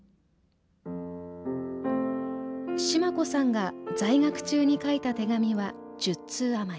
シマ子さんが在学中に書いた手紙は１０通余り。